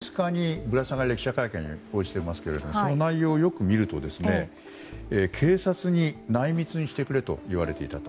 ただ、林理事長は２日にぶら下がり記者会見していますがその内容をよく見ると警察に内密にしてくれと言われていたと。